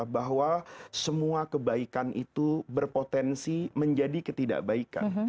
bahwa semua kebaikan itu berpotensi menjadi ketidakbaikan